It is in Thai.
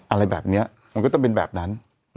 อะไรแบบนี้มันก็ต้องเป็นแบบนั้น